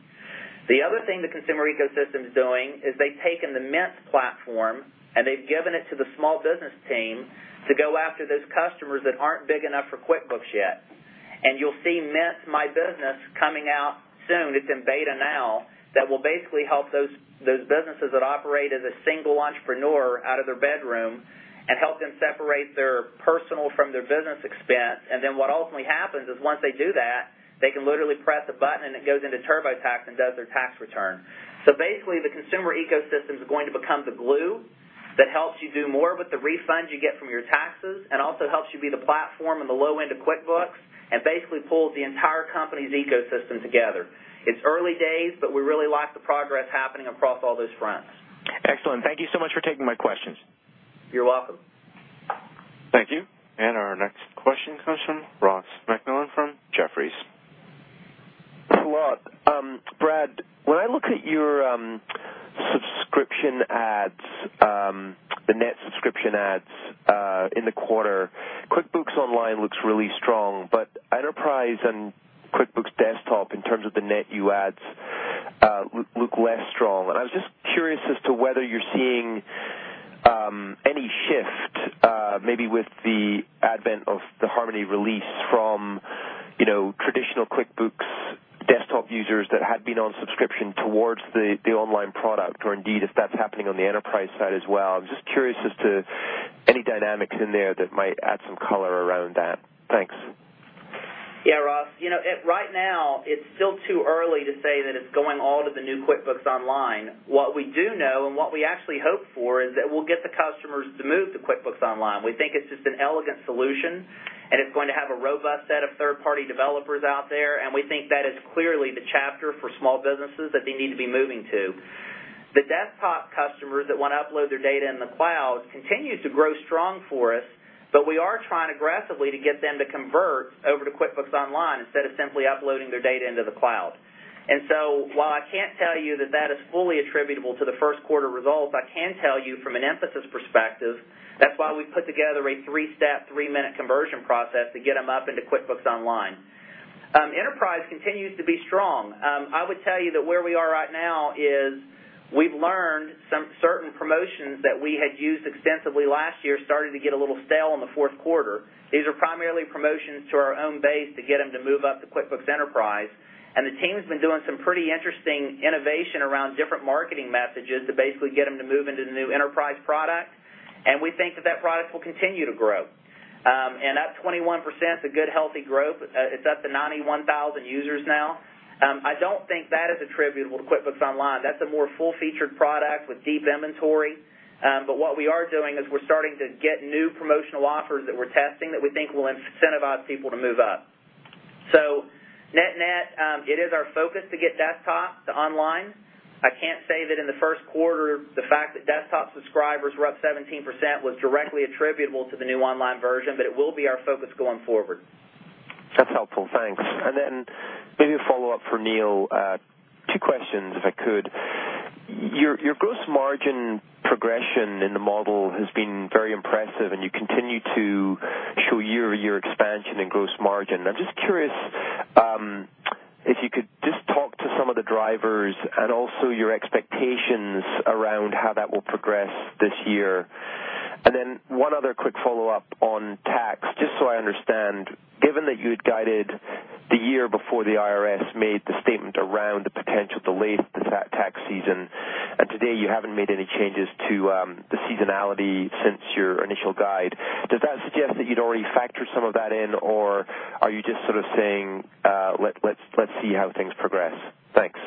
The other thing the consumer ecosystem's doing is they've taken the Mint platform, and they've given it to the small business team to go after those customers that aren't big enough for QuickBooks yet. You'll see Mint My Business coming out soon. It's in beta now. That will basically help those businesses that operate as a single entrepreneur out of their bedroom and help them separate their personal from their business expense. What ultimately happens is once they do that, they can literally press a button, and it goes into TurboTax and does their tax return. Basically, the consumer ecosystem is going to become the glue that helps you do more with the refunds you get from your taxes and also helps you be the platform on the low end of QuickBooks and basically pulls the entire company's ecosystem together. It's early days, but we really like the progress happening across all those fronts. Excellent. Thank you so much for taking my questions. You're welcome. Thank you. Our next question comes from Ross MacMillan from Jefferies. Ross. Brad, when I look at your subscription adds, the net subscription adds, in the quarter, QuickBooks Online looks really strong, but Enterprise and QuickBooks Desktop, in terms of the net U adds, look less strong. I was just curious as to whether you're seeing any shift, maybe with the advent of the Harmony release from traditional QuickBooks Desktop users that had been on subscription towards the online product, or indeed if that's happening on the Enterprise side as well. I'm just curious as to any dynamics in there that might add some color around that. Thanks. Ross. Right now, it's still too early to say that it's going all to the new QuickBooks Online. What we do know, and what we actually hope for, is that we'll get the customers to move to QuickBooks Online. We think it's just an elegant solution, and it's going to have a robust set of third-party developers out there, and we think that is clearly the chapter for small businesses that they need to be moving to. The Desktop customers that want to upload their data in the cloud continue to grow strong for us, but we are trying aggressively to get them to convert over to QuickBooks Online instead of simply uploading their data into the cloud. While I can't tell you that that is fully attributable to the first quarter results, I can tell you from an emphasis perspective, that's why we put together a three-step, three-minute conversion process to get them up into QuickBooks Online. Enterprise continues to be strong. I would tell you that where we are right now is we've learned some certain promotions that we had used extensively last year started to get a little stale in the fourth quarter. These are primarily promotions to our own base to get them to move up to QuickBooks Enterprise. The team's been doing some pretty interesting innovation around different marketing messages to basically get them to move into the new Enterprise product. We think that that product will continue to grow. Up 21%, it's a good, healthy growth. It's up to 91,000 users now. I don't think that is attributable to QuickBooks Online. That's a more full-featured product with deep inventory. But what we are doing is we're starting to get new promotional offers that we're testing that we think will incentivize people to move up. So net-net, it is our focus to get Desktop to Online. I can't say that in the first quarter, the fact that Desktop subscribers were up 17% was directly attributable to the new Online version, but it will be our focus going forward. That's helpful. Thanks. Maybe a follow-up for Neil. Two questions, if I could. Your gross margin progression in the model has been very impressive, and you continue to show year-over-year expansion in gross margin. I'm just curious if you could just talk to some of the drivers and also your expectations around how that will progress this year. Then one other quick follow-up on tax, just so I understand, given that you had guided the year before the IRS made the statement around the potential delay to the tax season, and today you haven't made any changes to the seasonality since your initial guide, does that suggest that you'd already factored some of that in, or are you just sort of saying, let's see how things progress? Thanks.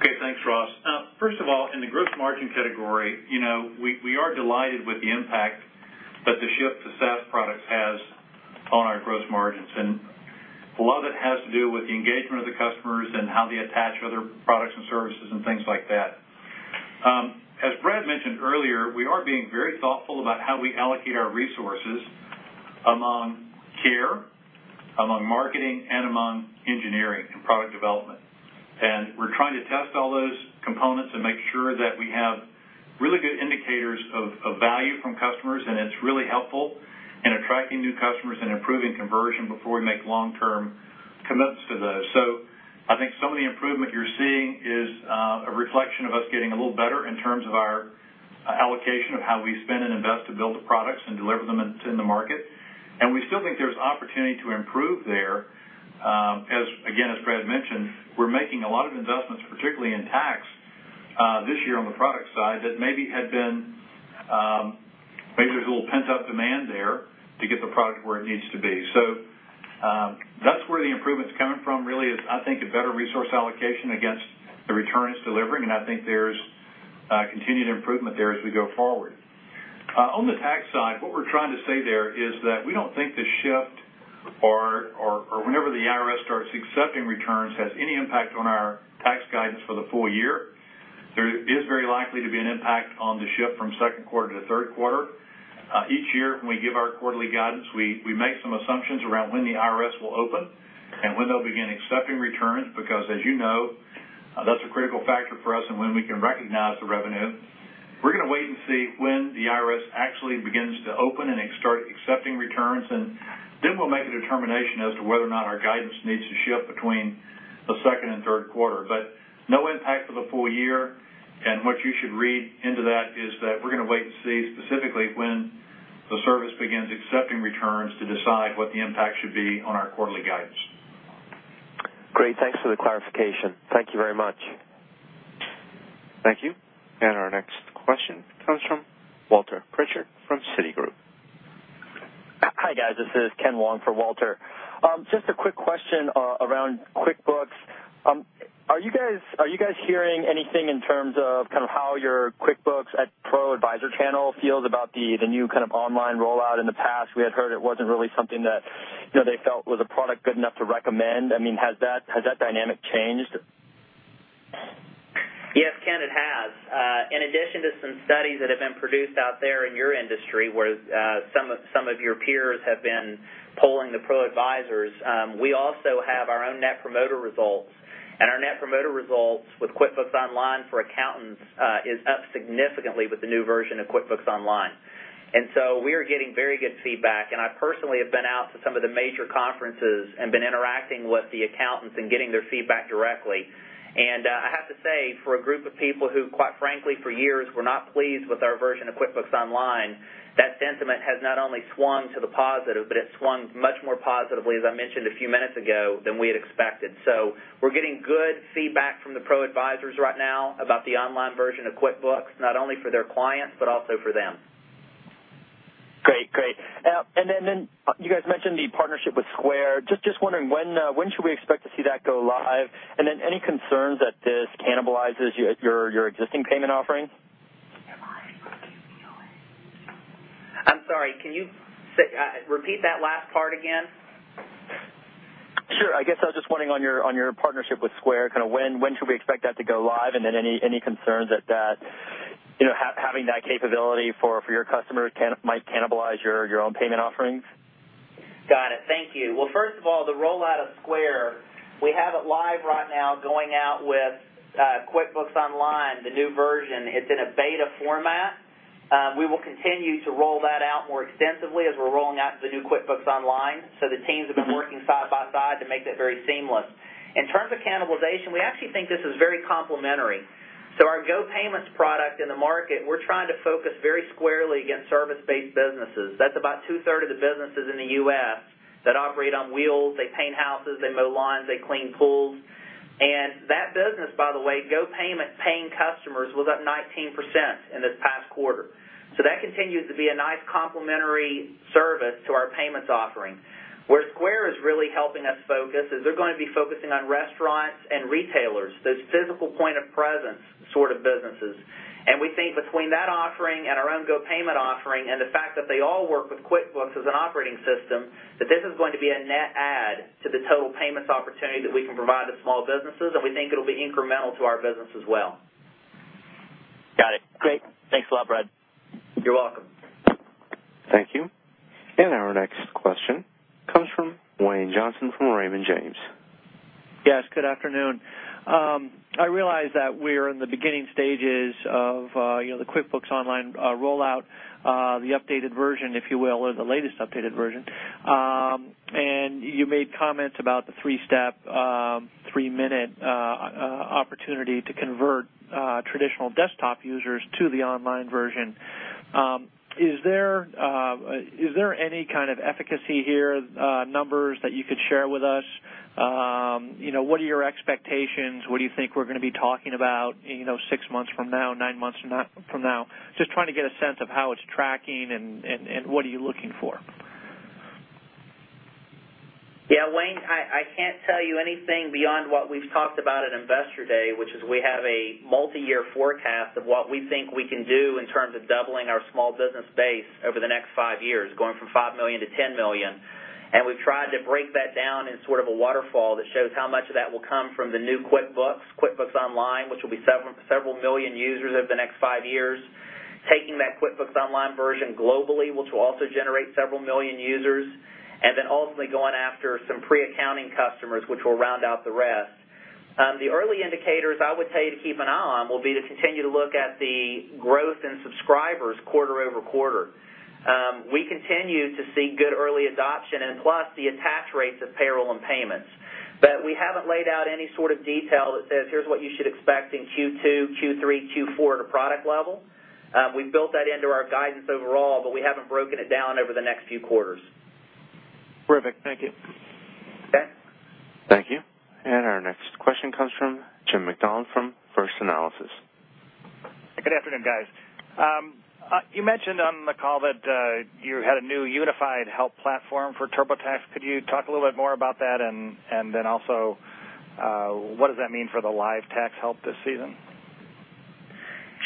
Okay. Thanks, Ross. First of all, in the gross margin category, we are delighted with the impact that the shift to SaaS products has on our gross margins, and a lot of it has to do with the engagement of the customers and how they attach other products and services and things like that. As Brad mentioned earlier, we are being very thoughtful about how we allocate our resources among care, among marketing, and among engineering and product development. We're trying to test all those components and make sure that we have really good indicators of value from customers, and it's really helpful in attracting new customers and improving conversion before we make long-term commitments to those. I think some of the improvement you're seeing is a reflection of us getting a little better in terms of our allocation of how we spend and invest to build the products and deliver them into the market. We still think there's opportunity to improve there. Again, as Brad mentioned, we're making a lot of investments, particularly in tax, this year on the product side, maybe there's a little pent-up demand there to get the product where it needs to be. That's where the improvement's coming from really is, I think, a better resource allocation against the return it's delivering, and I think there's continued improvement there as we go forward. On the tax side, what we're trying to say there is that we don't think the shift or whenever the IRS starts accepting returns, has any impact on our tax guidance for the full year. There is very likely to be an impact on the shift from second quarter to third quarter. Each year when we give our quarterly guidance, we make some assumptions around when the IRS will open and when they'll begin accepting returns, because as you know, that's a critical factor for us and when we can recognize the revenue. We're going to wait and see when the IRS actually begins to open and start accepting returns, and then we'll make a determination as to whether or not our guidance needs to shift between the second and third quarter. No impact for the full year, and what you should read into that is that we're going to wait and see specifically when the service begins accepting returns to decide what the impact should be on our quarterly guidance. Great. Thanks for the clarification. Thank you very much. Thank you. Our next question comes from Walter Pritchard from Citigroup. Hi, guys. This is Ken Wong for Walter. Just a quick question around QuickBooks. Are you guys hearing anything in terms of how your QuickBooks ProAdvisor channel feels about the new kind of online rollout? In the past, we had heard it wasn't really something that they felt was a product good enough to recommend. Has that dynamic changed? Yes, Ken, it has. In addition to some studies that have been produced out there in your industry, where some of your peers have been polling the ProAdvisors, we also have our own net promoter results. Our net promoter results with QuickBooks Online for accountants is up significantly with the new version of QuickBooks Online. We are getting very good feedback, and I personally have been out to some of the major conferences and been interacting with the accountants and getting their feedback directly. I have to say, for a group of people who, quite frankly, for years, were not pleased with our version of QuickBooks Online, that sentiment has not only swung to the positive, but it swung much more positively, as I mentioned a few minutes ago, than we had expected. We're getting good feedback from the ProAdvisors right now about the online version of QuickBooks, not only for their clients but also for them. Great. You guys mentioned the partnership with Square. Just wondering, when should we expect to see that go live? Any concerns that this cannibalizes your existing payment offerings? I'm sorry, can you repeat that last part again? Sure. I guess I was just wondering on your partnership with Square, when should we expect that to go live? Any concerns that having that capability for your customers might cannibalize your own payment offerings? Got it. Thank you. Well, first of all, the rollout of Square, we have it live right now going out with QuickBooks Online, the new version. It's in a beta format. We will continue to roll that out more extensively as we're rolling out the new QuickBooks Online. The teams have been working side by side to make that very seamless. In terms of cannibalization, we actually think this is very complementary. Our GoPayment product in the market, we're trying to focus very squarely against service-based businesses. That's about two-thirds of the businesses in the U.S. that operate on wheels. They paint houses, they mow lawns, they clean pools. That business, by the way, GoPayment paying customers, was up 19% in this past quarter. That continues to be a nice complementary service to our payments offering. Where Square is really helping us focus is they're going to be focusing on restaurants and retailers, those physical point of presence sort of businesses. We think between that offering and our own GoPayment offering, and the fact that they all work with QuickBooks as an operating system, that this is going to be a net add to the total payments opportunity that we can provide to small businesses, and we think it'll be incremental to our business as well. Got it. Great. Thanks a lot, Brad. You're welcome. Thank you. Our next question comes from Wayne Johnson from Raymond James. Yes. Good afternoon. I realize that we're in the beginning stages of the QuickBooks Online rollout, the updated version, if you will, or the latest updated version. You made comments about the three-step, three-minute opportunity to convert QuickBooks Desktop users to the online version. Is there any kind of efficacy here, numbers that you could share with us? What are your expectations? What do you think we're going to be talking about six months from now, nine months from now? Just trying to get a sense of how it's tracking and what are you looking for? Yeah, Wayne, I can't tell you anything beyond what we've talked about at Investor Day, which is we have a multi-year forecast of what we think we can do in terms of doubling our small business base over the next five years, going from five million to 10 million. We've tried to break that down in sort of a waterfall that shows how much of that will come from the new QuickBooks Online, which will be several million users over the next five years, taking that QuickBooks Online version globally, which will also generate several million users, and then ultimately going after some pre-accounting customers, which will round out the rest. The early indicators I would tell you to keep an eye on will be to continue to look at the growth in subscribers quarter-over-quarter. We continue to see good early adoption, plus the attach rates of payroll and payments. We haven't laid out any sort of detail that says, here's what you should expect in Q2, Q3, Q4 at a product level. We've built that into our guidance overall, but we haven't broken it down over the next few quarters. Perfect. Thank you. Okay. Thank you. Our next question comes from Jim Macdonald from First Analysis. Good afternoon, guys. You mentioned on the call that you had a new unified help platform for TurboTax. Could you talk a little bit more about that? What does that mean for the live tax help this season?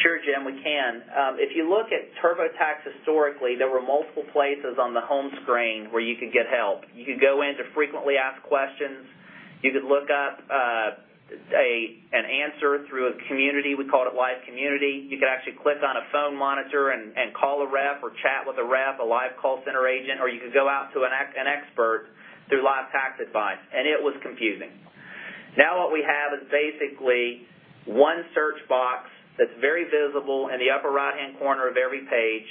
Sure, Jim, we can. If you look at TurboTax historically, there were multiple places on the home screen where you could get help. You could go into frequently asked questions, you could look up an answer through a community, we called it Live Community. You could actually click on a phone monitor and call a rep or chat with a rep, a live call center agent, or you could go out to an expert through live tax advice. It was confusing. What we have is basically one search box that's very visible in the upper right-hand corner of every page.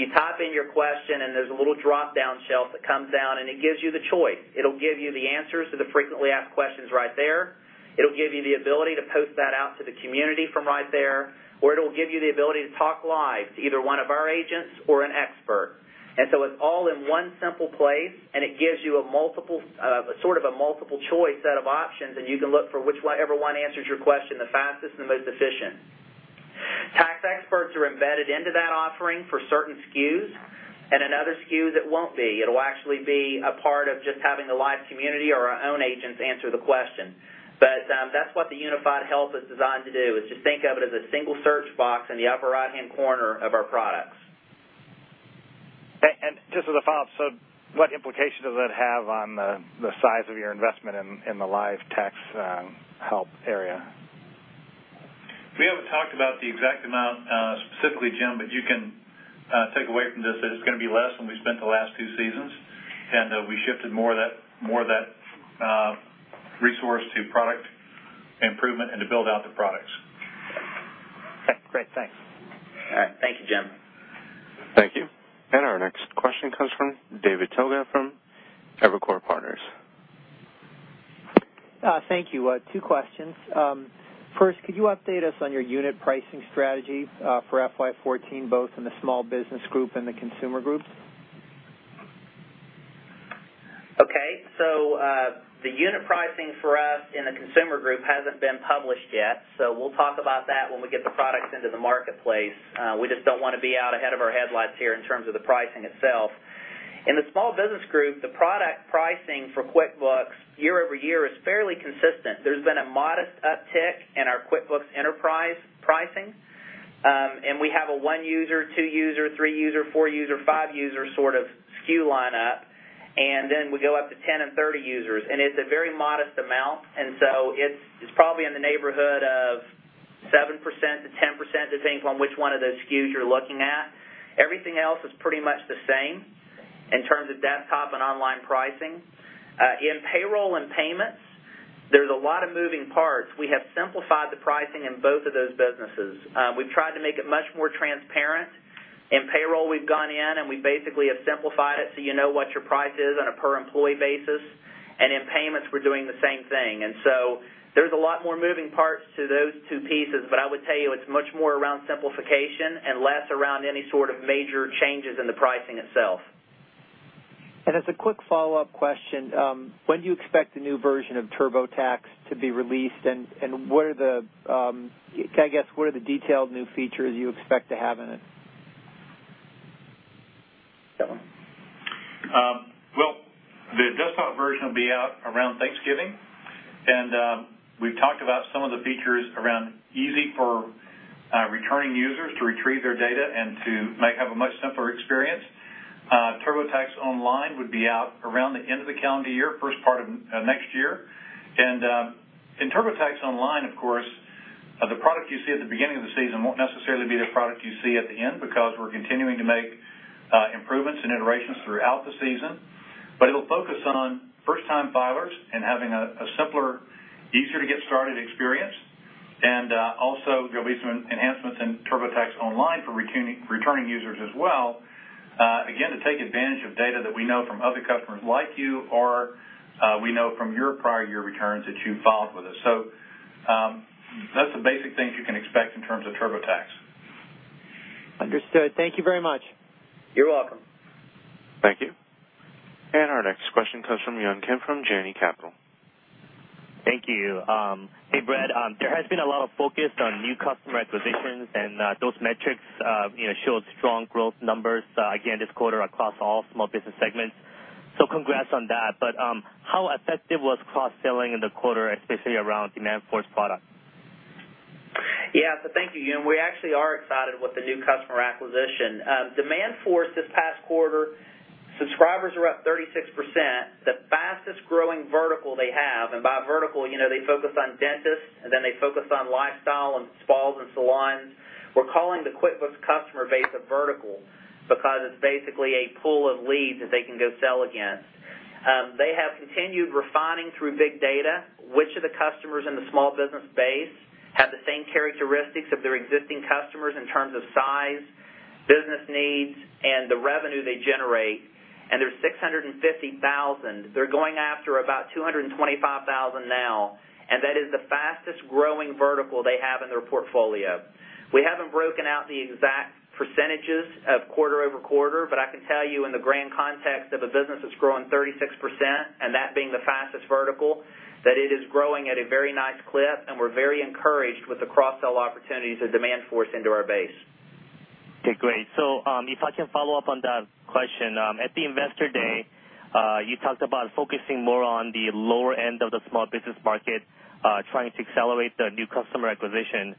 You type in your question and there's a little drop-down shelf that comes down. It gives you the choice. It'll give you the answers to the frequently asked questions right there. It'll give you the ability to post that out to the community from right there, or it'll give you the ability to talk live to either one of our agents or an expert. It's all in one simple place, and it gives you a sort of a multiple choice set of options, and you can look for whichever one answers your question the fastest and most efficient. Tax experts are embedded into that offering for certain SKUs, and another SKU that won't be. It'll actually be a part of just having the Live Community or our own agents answer the question. That's what the unified help is designed to do, is just think of it as a single search box in the upper right-hand corner of our products. Just as a follow-up, what implication does that have on the size of your investment in the live tax help area? We haven't talked about the exact amount, specifically, Jim, but you can take away from this that it's going to be less than we spent the last two seasons, and we shifted more of that resource to product improvement and to build out the products. Okay, great. Thanks. All right. Thank you, Jim. Thank you. Our next question comes from David Togut from Evercore Partners. Thank you. Two questions. First, could you update us on your unit pricing strategy for FY 2014, both in the Small Business Group and the Consumer Group? Okay. The unit pricing for us in the Consumer Group hasn't been published yet, so we'll talk about that when we get the products into the marketplace. We just don't want to be out ahead of our headlights here in terms of the pricing itself. In the Small Business Group, the product pricing for QuickBooks year-over-year is fairly consistent. There's been a modest uptick in our QuickBooks Enterprise pricing, and we have a one user, two user, three user, four user, five user sort of SKU lineup, and then we go up to 10 and 30 users, and it's a very modest amount. It's probably in the neighborhood of 7%-10%, depends on which one of those SKUs you're looking at. Everything else is pretty much the same in terms of Desktop and Online pricing. In payroll and payments, there's a lot of moving parts. We have simplified the pricing in both of those businesses. We've tried to make it much more transparent. In payroll, we've gone in and we basically have simplified it so you know what your price is on a per employee basis, and in payments, we're doing the same thing. There's a lot more moving parts to those two pieces, but I would tell you, it's much more around simplification and less around any sort of major changes in the pricing itself. As a quick follow-up question, when do you expect the new version of TurboTax to be released, and what are the detailed new features you expect to have in it? Kevin. Well, the desktop version will be out around Thanksgiving, and we've talked about some of the features around easy for returning users to retrieve their data and to have a much simpler experience. TurboTax Online would be out around the end of the calendar year, first part of next year. In TurboTax Online, of course, the product you see at the beginning of the season won't necessarily be the product you see at the end, because we're continuing to make improvements and iterations throughout the season. It'll focus on first-time filers and having a simpler, easier to get started experience. Also there'll be some enhancements in TurboTax Online for returning users as well, again, to take advantage of data that we know from other customers like you or we know from your prior year returns that you filed with us. That's the basic things you can expect in terms of TurboTax. Understood. Thank you very much. You're welcome. Thank you. Our next question comes from Yun Kim from Janney Capital. Thank you. Hey, Brad, there has been a lot of focus on new customer acquisitions, and those metrics showed strong growth numbers again this quarter across all small business segments. So congrats on that, but how effective was cross-selling in the quarter, especially around Demandforce products? Yeah. Thank you, Yun. We actually are excited with the new customer acquisition. Demandforce this past quarter, subscribers are up 36%, the fastest growing vertical they have, and by vertical, they focus on dentists, and then they focus on lifestyle and spas and salons. We're calling the QuickBooks customer base a vertical because it's basically a pool of leads that they can go sell against. They have continued refining through big data, which of the customers in the small business base have the same characteristics of their existing customers in terms of size, business needs, and the revenue they generate, and there's 650,000. They're going after about 225,000 now, and that is the fastest-growing vertical they have in their portfolio. We haven't broken out the exact percentages of quarter-over-quarter, but I can tell you in the grand context of a business that's growing 36%, and that being the fastest vertical, that it is growing at a very nice clip, and we're very encouraged with the cross-sell opportunities that Demandforce into our base. Okay, great. If I can follow up on that question. At the investor day, you talked about focusing more on the lower end of the small business market, trying to accelerate the new customer acquisition.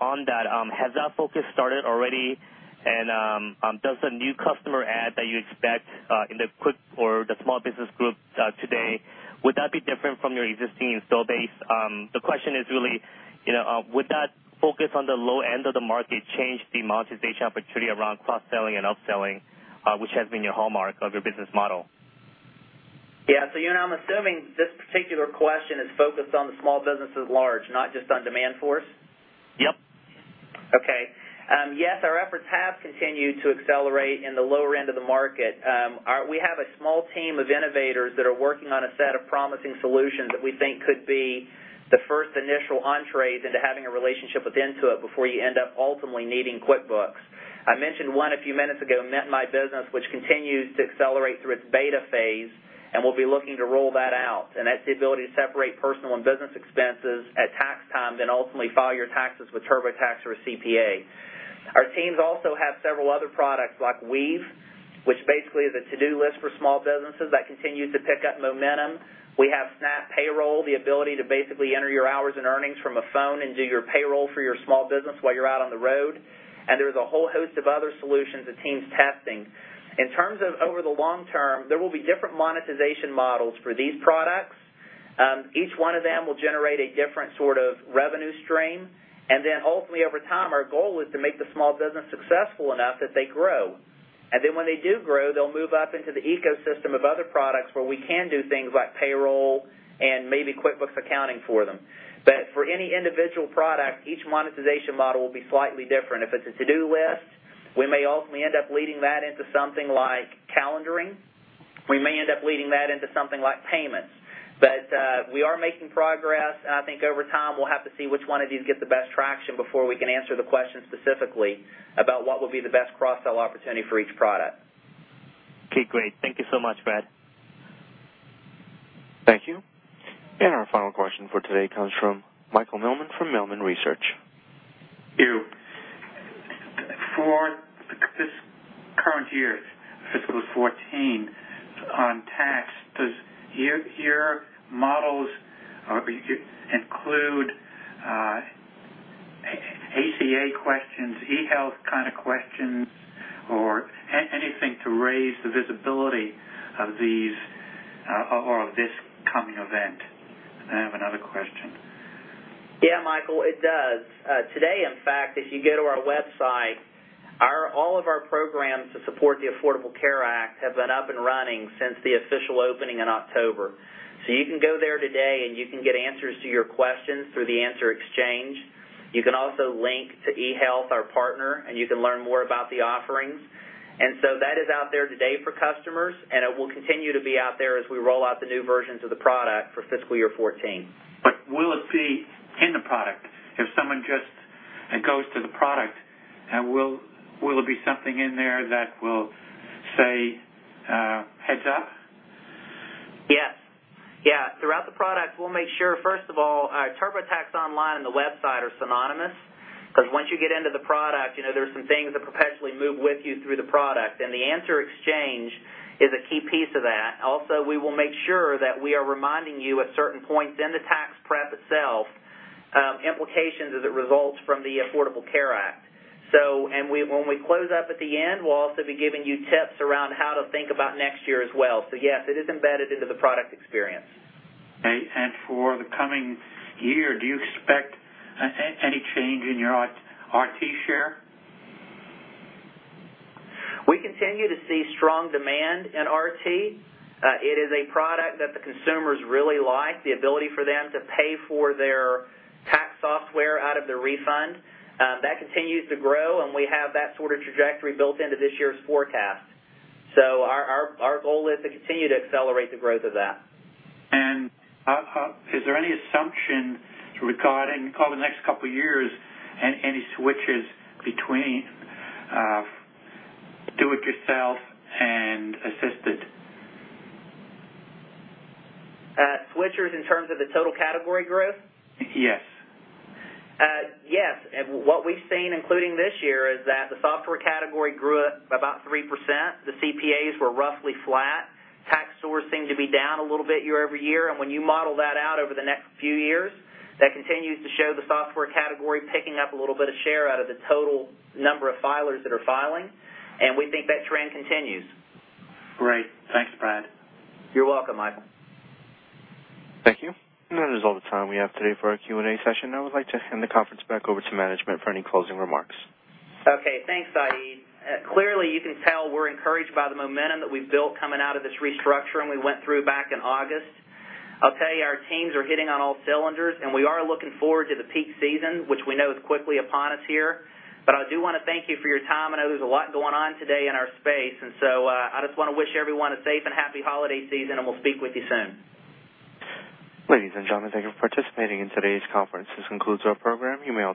On that, has that focus started already, and does the new customer add that you expect in the small business group today, would that be different from your existing install base? The question is really, would that focus on the low end of the market change the monetization opportunity around cross-selling and upselling, which has been your hallmark of your business model? Yeah. I'm assuming this particular question is focused on the small businesses large, not just on Demandforce? Yep. Okay. Yes, our efforts have continued to accelerate in the lower end of the market. We have a small team of innovators that are working on a set of promising solutions that we think could be the first initial entrees into having a relationship with Intuit before you end up ultimately needing QuickBooks. I mentioned one a few minutes ago, Mint My Business, which continues to accelerate through its beta phase, and we'll be looking to roll that out. That's the ability to separate personal and business expenses at tax time, then ultimately file your taxes with TurboTax or a CPA. Our teams also have several other products like Weave, which basically is a to-do list for small businesses that continue to pick up momentum. We have Snap Payroll, the ability to basically enter your hours and earnings from a phone and do your payroll for your small business while you're out on the road. There's a whole host of other solutions the team's testing. In terms of over the long term, there will be different monetization models for these products. Each one of them will generate a different sort of revenue stream, ultimately, over time, our goal is to make the small business successful enough that they grow. When they do grow, they'll move up into the ecosystem of other products where we can do things like payroll and maybe QuickBooks accounting for them. For any individual product, each monetization model will be slightly different. If it's a to-do list, we may ultimately end up leading that into something like calendaring. We may end up leading that into something like payments. We are making progress, and I think over time, we'll have to see which one of these get the best traction before we can answer the question specifically about what will be the best cross-sell opportunity for each product. Okay, great. Thank you so much, Brad. Thank you. Our final question for today comes from Michael Millman from Millman Research. Thank you. For this current year, fiscal year 2014, on tax, does your models include ACA questions, eHealth kind of questions, or anything to raise the visibility of these, or of this coming event? I have another question. Michael, it does. Today, in fact, if you go to our website, all of our programs to support the Affordable Care Act have been up and running since the official opening in October. You can go there today, and you can get answers to your questions through the Answer Exchange. You can also link to eHealth, our partner, and you can learn more about the offerings. That is out there today for customers, and it will continue to be out there as we roll out the new versions of the product for fiscal year 2014. Will it be in the product? If someone just goes to the product, will it be something in there that will say, "Heads up"? Yes. Throughout the product, we'll make sure, first of all, TurboTax Online and the website are synonymous, because once you get into the product, there's some things that perpetually move with you through the product, and the Answer Exchange is a key piece of that. Also, we will make sure that we are reminding you at certain points in the tax prep itself, implications as it results from the Affordable Care Act. When we close up at the end, we'll also be giving you tips around how to think about next year as well. Yes, it is embedded into the product experience. For the coming year, do you expect any change in your RT share? We continue to see strong demand in RT. It is a product that the consumers really like, the ability for them to pay for their tax software out of their refund. That continues to grow, we have that sort of trajectory built into this year's forecast. Our goal is to continue to accelerate the growth of that. Is there any assumption regarding, call it the next couple years, any switchers between do it yourself and assisted? Switchers in terms of the total category growth? Yes. Yes. What we've seen, including this year, is that the software category grew at about 3%. The CPAs were roughly flat. Tax stores seem to be down a little bit year-over-year, and when you model that out over the next few years, that continues to show the software category picking up a little bit of share out of the total number of filers that are filing, and we think that trend continues. Great. Thanks, Brad. You're welcome, Michael. Thank you. That is all the time we have today for our Q&A session. I would like to hand the conference back over to management for any closing remarks. Okay, thanks. [inaudible] Clearly, you can tell we're encouraged by the momentum that we've built coming out of this restructuring we went through back in August. Our teams are hitting on all cylinders, we are looking forward to the peak season, which we know is quickly upon us here. I do want to thank you for your time. I know there's a lot going on today in our space, I just want to wish everyone a safe and happy holiday season, we'll speak with you soon. Ladies and gentlemen, thank you for participating in today's conference. This concludes our program. You may dis-